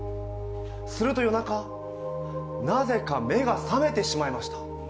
すると夜中、なぜか目が覚めてしまいました。